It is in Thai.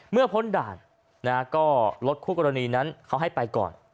พ้นด่านก็รถคู่กรณีนั้นเขาให้ไปก่อน